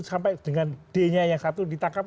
sampai dengan d nya yang satu ditangkap